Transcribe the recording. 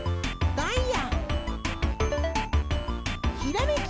ダイヤ！